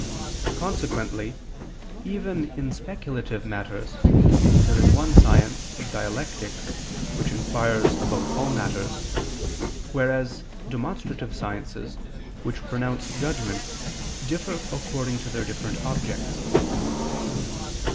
Consequently, even in speculative matters, there is one science of dialectics, which inquires about all matters; whereas demonstrative sciences, which pronounce judgment, differ according to their different objects.